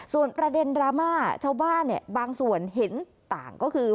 ส่วนประเด็นดราม่าชาวบ้านบางส่วนเห็นต่างก็คือ